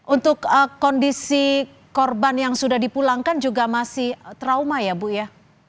untuk kondisi korban yang sudah dipulangkan juga masih trauma ya bu ya